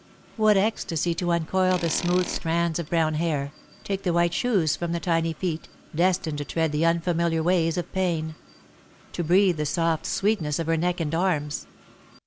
What ecstasy to uncoil the smooth strands of brown hair, take the white shoes from the tiny feet, destined to tread the unfamiliar ways of pain; to breathe the soft sweetness of her neck and arms!